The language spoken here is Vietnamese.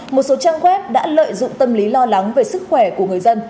một số trang web đã lợi dụng tâm lý lo lắng về sức khỏe của người dân